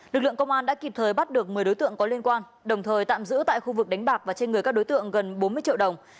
lực lượng công an đã kịp thời bắt được một mươi đối tượng có liên quan đồng thời tạm giữ tại khu vực đánh bạc và trên người các đối tượng gần bốn mươi triệu đồng